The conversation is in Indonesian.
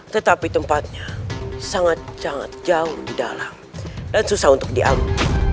tetapi tempatnya sangat sangat jauh di dalam dan susah untuk diambil